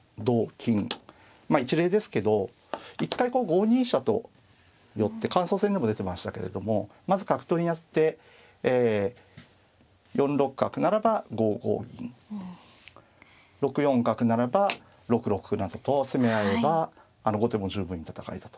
まあ一例ですけど一回こう５二飛車と寄って感想戦でも出てましたけれどもまず角取りに当てて４六角ならば５五銀６四角ならば６六歩などと攻め合えれば後手も十分に戦えたと。